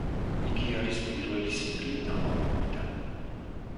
იგი არის პირველი სინგლი ამ ალბომიდან.